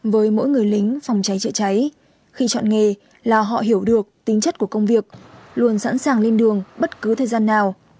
với mỗi người lính phòng cháy chữa cháy khi chọn nghề là họ hiểu được tính chất của công việc luôn sẵn sàng lên đường bất cứ thời gian nào